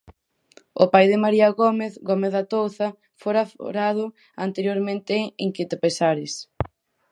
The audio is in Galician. O pai de María Gómez, Gómez da Touza, fora aforado anteriormente en Quitapesares.